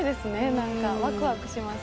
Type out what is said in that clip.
何かワクワクします